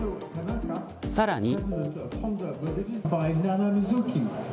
さらに。